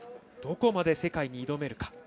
どこまで世界に挑めるか。